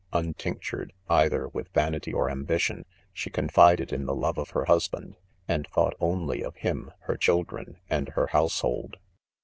' "Pntinetiired either with vanity or ambition, she confided in the love of her husband; and thought only : of him, her children and her household.